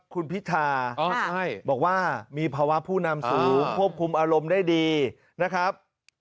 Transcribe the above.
คุณพิธาบอกว่ามีภาวะผู้นำสูงควบคุมอารมณ์ได้ดีนะครับ